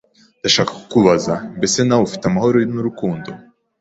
Ndashaka kukubaza, mbese nawe ufite amahoro n’urukundo?